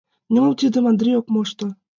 Нимом тидым Андрий ок мошто...